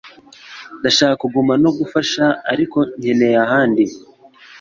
Ndashaka kuguma no gufasha, ariko nkeneye ahandi.